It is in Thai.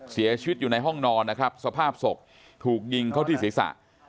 เสียชีวิตอยู่ในห้องนอนนะครับสภาพศพถูกยิงเข้าที่ศีรษะ